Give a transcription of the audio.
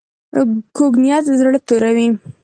کوږ نیت زړه توروي